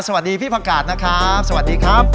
สวัสดีพี่ผักกาศนะครับสวัสดีครับ